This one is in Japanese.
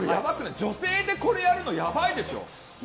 女性でこれやるのやばいでしょ。